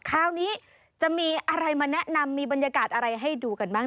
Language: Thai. คราวนี้จะมีอะไรมาแนะนำมีบรรยากาศอะไรให้ดูกันบ้าง